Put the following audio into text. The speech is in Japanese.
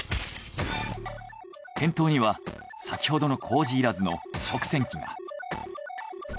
店頭には先ほどの工事いらずの食洗機が。